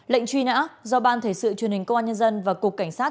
lệnh truy nã do ban thể sự truyền hình công an nhân dân và cục cảnh sát